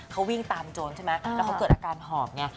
เขาวิ่งตามโจรใช่ไหมแล้วเขาเกิดอาการหอบไง